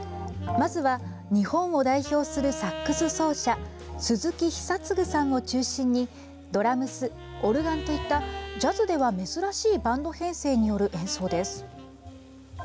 まずは、日本を代表するサックス奏者鈴木央紹さんを中心にドラムス・オルガンといったジャズでは珍しいバンド編成による演奏です。